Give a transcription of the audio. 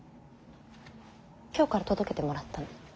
京から届けてもらったの。